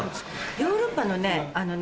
ヨーロッパのねあのね